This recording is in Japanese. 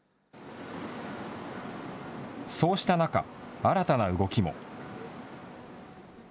そうした中、新たな動きも。